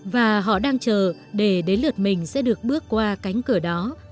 và họ đang chờ để đến lượt mình sẽ được bước qua cánh cửa đó